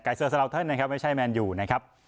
ไกรเซอร์สาลาวเทิลนะครับไม่ใช่แมนอยู่นะครับ